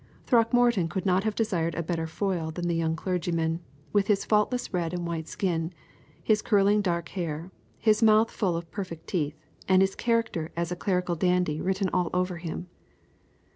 Throckmorton could not have desired a better foil than the young clergyman, with his faultless red and white skin, his curling dark hair, his mouth full of perfect teeth, and his character as a clerical dandy written all over him.